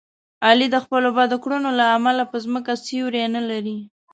علي د خپلو بدو کړنو له امله په ځمکه سیوری نه لري.